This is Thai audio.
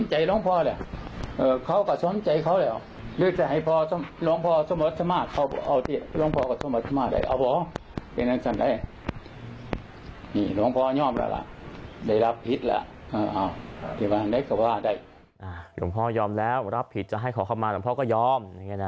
หลวงพ่อยอมแล้วรับผิดจะให้ขอเข้ามาหลวงพ่อก็ยอม